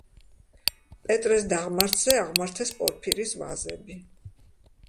პეტრეს დაღმართზე აღმართეს პორფირის ვაზები.